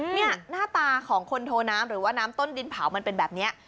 หน้าตาของคนโทน้ำหรือว่าน้ำต้นดินเผามันเป็นแบบนี้